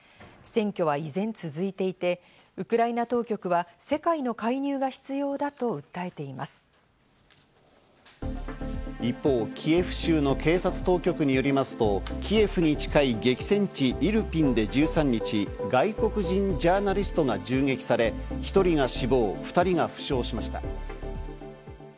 占拠は依然続いていて、ウクライナ当局は世界の介入が必要だと訴一方、キエフ州の警察当局によりますと、キエフに近い激戦地イルピンで、１３日、外国人ジャーナリストが銃撃され、１人が死亡、２人が負傷しました。